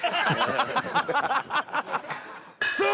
ハハハハ！